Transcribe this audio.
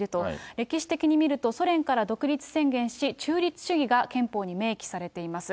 歴史的に見ると独立宣言し、中立主義が憲法に明記されています。